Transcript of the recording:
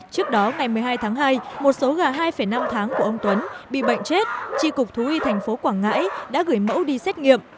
trước đó ngày một mươi hai tháng hai một số gà hai năm tháng của ông tuấn bị bệnh chết tri cục thú y thành phố quảng ngãi đã gửi mẫu đi xét nghiệm